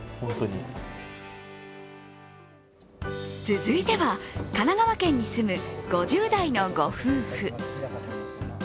続いては、神奈川県に住む５０代のご夫婦。